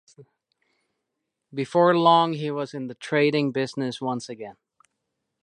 Before long he was in the trading business once again.